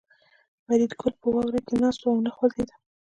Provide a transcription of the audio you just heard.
فریدګل په واوره کې ناست و او نه خوځېده